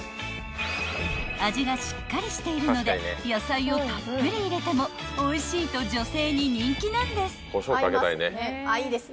［味がしっかりしているので野菜をたっぷり入れてもおいしいと女性に人気なんです］